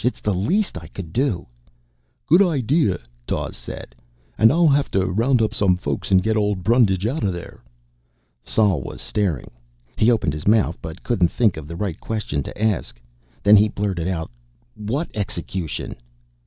It's the least I could do." "Good idea," Dawes nodded. "And I'll have to round up some folks and get old Brundage out of there." Sol was staring. He opened his mouth, but couldn't think of the right question to ask. Then he blurted out: "What execution?"